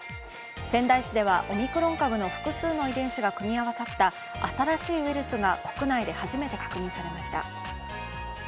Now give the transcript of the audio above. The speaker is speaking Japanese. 仙台市ではオミクロン株の複数の遺伝子が組み合わさった新しいウイルスが国内で初めて確認されました。